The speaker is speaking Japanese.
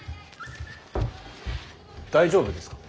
大丈夫ですか？